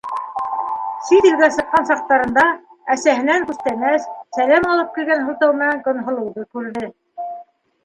Сит илгә сыҡҡан саҡтарында, әсәһенән күстәнәс, сәләм алып килгән һылтау менән, Көнһылыуҙы күрҙе.